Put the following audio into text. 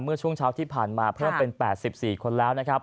เมื่อช่วงเช้าที่ผ่านมาเพิ่มเป็น๘๔คนแล้วนะครับ